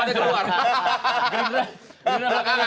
geri daftar belakangan